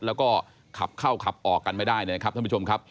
แล้วก็ขับเข้าขับออกกันไม่ได้นะครับท่านผู้ชมครับ